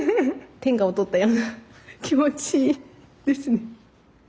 天下を取ったような気持ちですね。